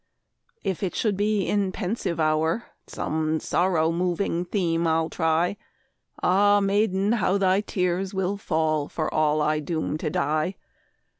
If it should be in pensive hour Some sorrow moving theme I try, Ah, maiden, how thy tears will fall, For all I doom to die!